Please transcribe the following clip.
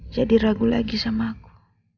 ragu lagi sama aku